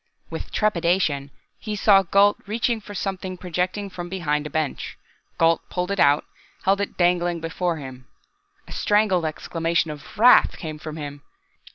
With trepidation, he saw Gault reach for something projecting from behind a bench. Gault pulled it out, held it dangling before him. A strangled exclamation of wrath came from him.